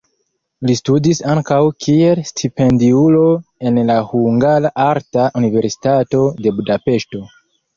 Li studis ankaŭ kiel stipendiulo en la Hungara Arta Universitato de Budapeŝto.